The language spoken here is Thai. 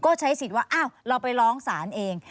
ก็ใช้สิทธิ์ว่าอ้าวเราไปร้องศาลเอง